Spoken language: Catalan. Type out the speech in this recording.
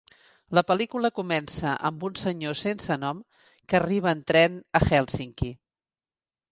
La pel·lícula comença amb un senyor sense nom que arriba en tren a Hèlsinki.